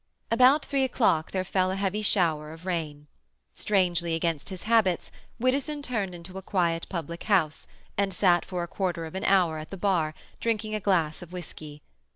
About three o'clock there fell a heavy shower of rain. Strangely against his habits, Widdowson turned into a quiet public house, and sat for a quarter of an hour at the bar, drinking a glass of whisky.